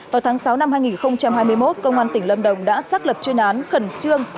vào tháng sáu năm hai nghìn hai mươi một công an tỉnh lâm đồng đã xác lập chuyên án khẩn trương